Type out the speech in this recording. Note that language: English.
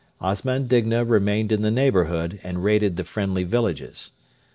Osman Digna remained in the neighbourhood and raided the friendly villages.